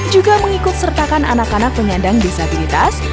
juga mengikut sertakan anak anak penyandang disabilitas